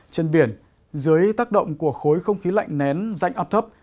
trên biển dưới tác động của khối không khí lạnh nén dạnh ấp thấp